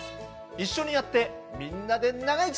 一緒にやってみんなで長生きしましょう！